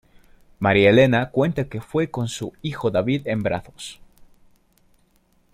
María Elena cuenta que fue con su hijo David en brazos.